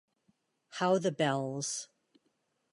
How the bells.